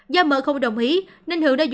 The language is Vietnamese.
do m không đồng ý nên hường đã dùng tay